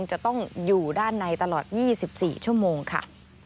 สวัสดีค่ะสวัสดีค่ะ